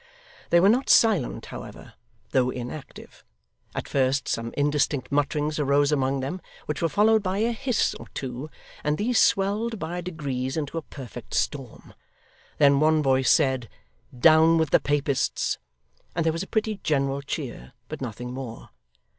They were not silent, however, though inactive. At first some indistinct mutterings arose among them, which were followed by a hiss or two, and these swelled by degrees into a perfect storm. Then one voice said, 'Down with the Papists!' and there was a pretty general cheer, but nothing more.